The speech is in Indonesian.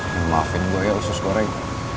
maafin gue ya usus koreng